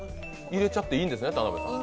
入れちゃっていいんですね田辺さん。